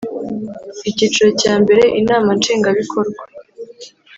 Icyiciro cya mbere Inama Nshingwabikorwa